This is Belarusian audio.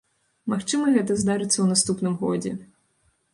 Магчыма, гэта здарыцца ў наступным годзе.